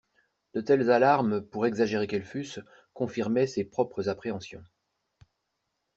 De telles alarmes pour exagérées qu'elles fussent, confirmaient ses propres appréhensions.